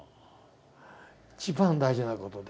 一番大事なことで。